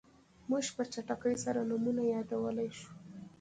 موږ په چټکۍ سره نومونه یادولی شو.